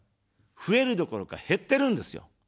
増えるどころか減ってるんですよ。